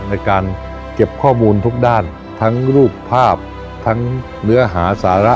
ในการเก็บข้อมูลทุกด้านทั้งรูปภาพทั้งเนื้อหาสาระ